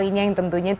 ini juga beragam macam